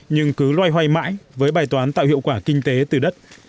nhưng cứ loay hoay mãi với bài toán tạo hiệu quả kinh tế từ đất